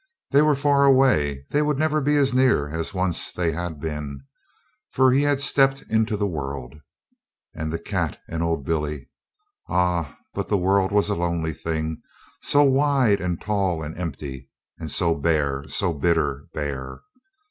They were far away; they would never be as near as once they had been, for he had stepped into the world. And the cat and Old Billy ah, but the world was a lonely thing, so wide and tall and empty! And so bare, so bitter bare!